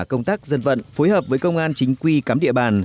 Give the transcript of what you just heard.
công tác dân vận phối hợp với công an chính quy cắm địa bàn